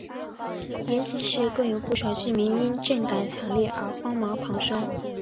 延吉市更有不少居民因震感强烈而慌忙逃生。